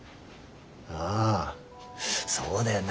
ああそうだよな。